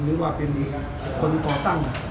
หรือว่าเป็นคนก่อตั้ง